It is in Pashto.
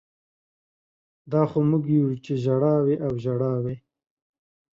دا خو موږ یو چې ژړا وي او ژړا وي